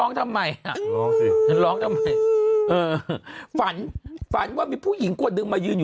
น่าร้องทำไมฝันว่ามีผู้หญิงก็ดึงมายืนอยู่